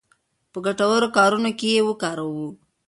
په ګټورو کارونو کې یې وکاروو.